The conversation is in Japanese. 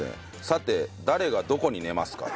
さて誰がどこに寝ますか？